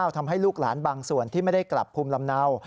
ทำให้ลูกหลานบางส่วนที่ไม่ได้กลับภูมิลำเนา